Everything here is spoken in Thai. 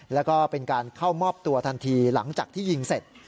แล้วก็เป็นการเข้ามอบตัวทันทีหลังจากที่ยิงเสร็จ